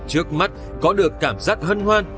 trước mắt có được cảm giác hân hoan